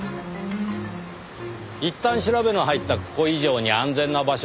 いったん調べの入ったここ以上に安全な場所はない。